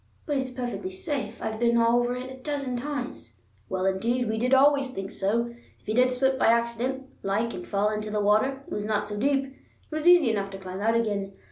"But it's perfectly safe. I've been all over it a dozen times." "Well, indeed, we did always think so. If you did slip by accident, like, and fall into the water, it was not so deep; it was easy enough to climb out again.